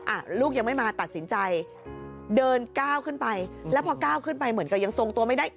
อ่ะลูกยังไม่มาตัดสินใจเดินก้าวขึ้นไปแล้วพอก้าวขึ้นไปเหมือนกับยังทรงตัวไม่ได้